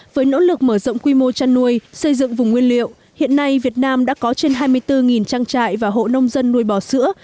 với nỗ lực mở rộng quy mô chăn nuôi xây dựng vùng nguyên liệu hiện nay việt nam đã có trên hai mươi bốn trang trại và hộ nông dân nuôi bò sữa